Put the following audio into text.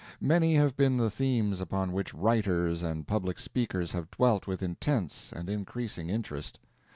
Many have been the themes upon which writers and public speakers have dwelt with intense and increasing interest.